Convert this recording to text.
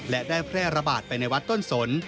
และได้แพร่ระบาดไปในวัดต้นสน